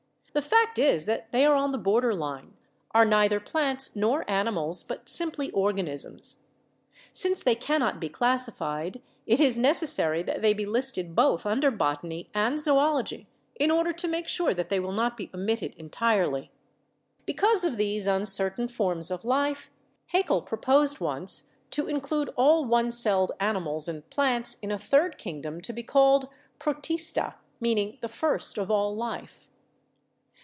The fact is that they are on the border line, are neither plants nor animals but simply organisms. Since they can not be classified, it is necessary that they be listed both under botany and zoology, in order to make sure that they will not be omitted entirely. Because of these uncertain forms of life, Haeckel proposed once to include all one celled animals and plants in a third kingdom to be called Protista (meaning the first of all life).